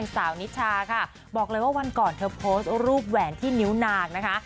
สาวนิชาค่ะบอกเลยว่าวันก่อนเธอโพสต์รูปแหวนที่นิ้วนางนะคะ